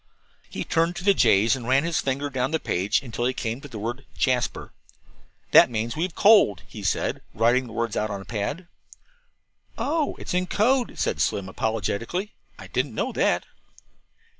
He turned to the J's and ran his finger down the page until he came to the word "JASPER." "That means 'We have coaled,'" he said, writing the words out on the pad. "Oh, it's in code," said Slim apologetically; "I didn't know that."